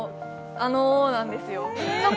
あのうなんですよ。